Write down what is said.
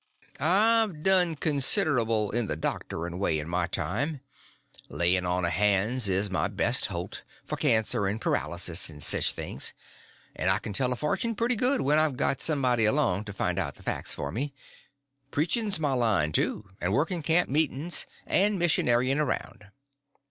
"I've done considerble in the doctoring way in my time. Layin' on o' hands is my best holt—for cancer and paralysis, and sich things; and I k'n tell a fortune pretty good when I've got somebody along to find out the facts for me. Preachin's my line, too, and workin' camp meetin's, and missionaryin' around."